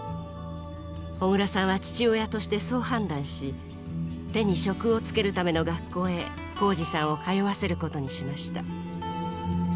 小椋さんは父親としてそう判断し手に職をつけるための学校へ宏司さんを通わせることにしました。